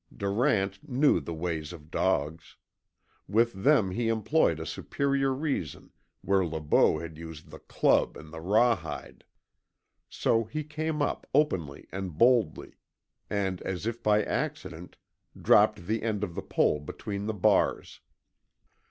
Durant knew the ways of dogs. With them he employed a superior reason where Le Beau had used the club and the rawhide. So he came up openly and boldly, and, as if by accident, dropped the end of the pole between the bars.